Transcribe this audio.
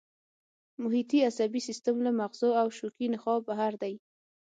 محیطي عصبي سیستم له مغزو او شوکي نخاع بهر دی